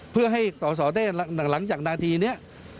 เพื่อให้สอสอได้หลังจากนาทีนี้